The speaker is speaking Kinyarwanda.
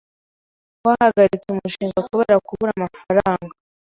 Twahagaritse umushinga kubera kubura amafaranga.